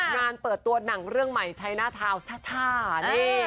งานเปิดตัวหนังเรื่องใหม่ใช้หน้าทาวช่านี่